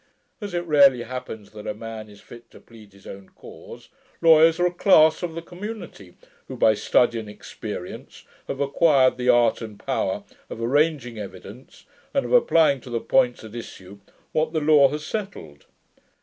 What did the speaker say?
As it rarely happens that a man is fit to plead his own cause, lawyers are a class of the community, who, by study and experience, have acquired the art and power of arranging evidence, and of applying to the points of issue what the law has settled.